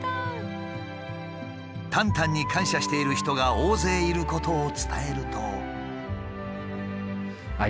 タンタンに感謝している人が大勢いることを伝えると。